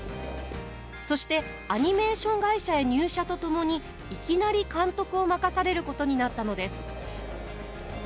そしてアニメーション会社へ入社とともにいきなり監督を任されることになったのです。